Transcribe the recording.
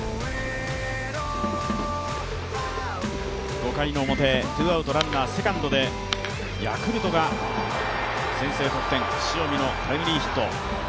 ５回表、ツーアウト、ランナーセカンドでヤクルトが先制得点、塩見のタイムリーヒット。